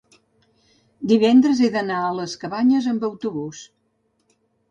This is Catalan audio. divendres he d'anar a les Cabanyes amb autobús.